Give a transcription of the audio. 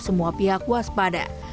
ganjar juga mengimbau